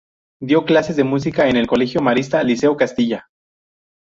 Dio clases de música en el colegio marista Liceo Castilla.